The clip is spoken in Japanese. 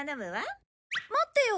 待ってよ。